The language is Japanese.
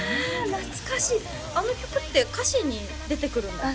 懐かしいあの曲って歌詞に出てくるんだっけ？